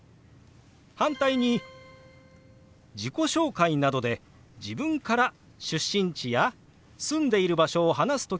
反対に自己紹介などで自分から出身地や住んでいる場所を話す時もありますよね。